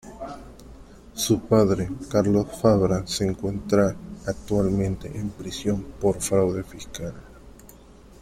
Su padre, Carlos Fabra, se encuentra actualmente en prisión por fraude fiscal.